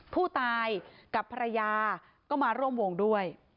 ผู้ตายกับภรรยาก็มาร่วมวงด้วย